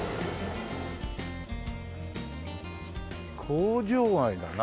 工場街だな。